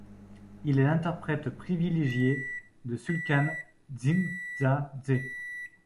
Il est l'interprète privilégié de Sulkhan Tsintsadze.